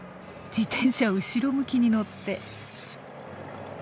自転車後ろ向きに乗って。